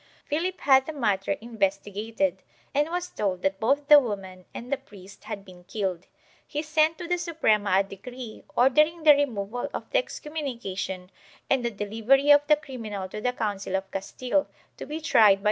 Philip had the matter investigated and was told that both the woman and the priest had been killed. He sent to the Suprema a decree ordering the removal of the excommunication and the delivery of the criminal to the Council of Castile, to be tried by 1 Archive de Simancas, Gracia y Justicia, Leg.